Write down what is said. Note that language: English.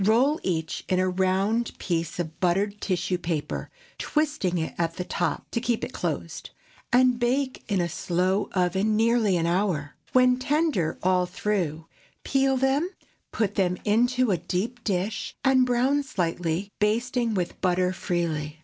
Roll each in a round piece of buttered tissue paper, twisting it at the top to keep it closed, and bake in a slow oven nearly an hour. When tender all through, peel them, put them into a deep dish, and brown slightly, basting with butter freely.